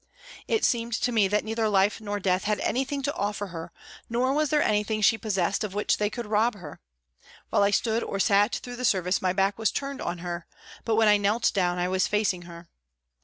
It seemed to me that neither life nor death had any thing to offer her, nor was there anything she possessed of which they could rob her. While I stood or sat through the service my back was turned on her, but when I knelt down I was facing her.